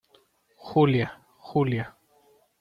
Julia, Julia.